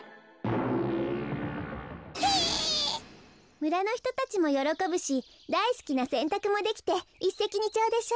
むらのひとたちもよろこぶしだいすきなせんたくもできていっせきにちょうでしょ？